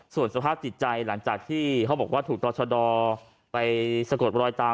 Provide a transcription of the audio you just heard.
ส่วนสภาพจิตใจหลังจากที่เขาบอกว่าถูกต่อชะดอไปสะกดรอยตาม